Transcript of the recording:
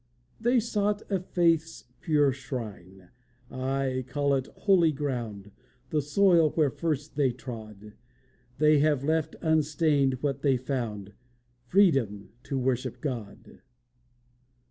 They sought a faith's pure shrine! Aye, call it holy ground, The soil where first they trod! They have left unstained what there they found Freedom to worship God!